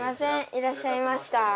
いらっしゃいました。